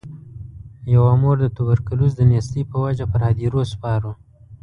یوه مور د توبرکلوز د نیستۍ په وجه پر هدیرو سپارو.